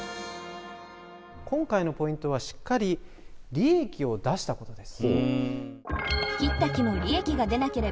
今回のポイントはしっかり利益を出したことです。